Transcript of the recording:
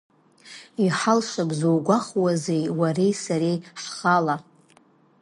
Иҳалшап зугәахәуазеи уареи сареи ҳхала.